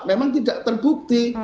memang tidak terbukti